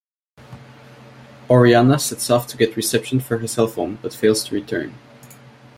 Orianna sets off to get reception for her cell phone but fails to return.